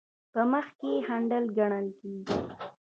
په مخ کې خنډ ګڼل کیږي.